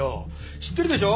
知ってるでしょ？